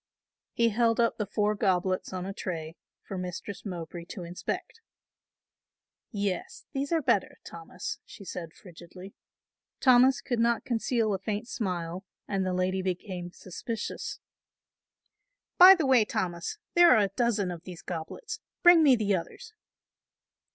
He held up the four goblets on a tray for Mistress Mowbray to inspect. "Yes, those are better, Thomas," she said frigidly. Thomas could not conceal a faint smile and the lady became suspicious. "By the way, Thomas, there are a dozen of these goblets, bring me the others."